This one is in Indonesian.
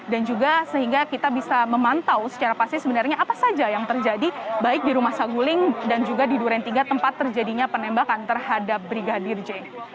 dan juga sehingga kita bisa memantau secara pasti sebenarnya apa saja yang terjadi baik di rumah saguling dan juga di durian tiga tempat terjadinya penembakan terhadap brigadir j